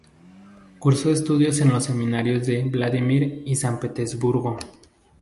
Cursó estudios en los seminarios de Vladimir y San Petersburgo.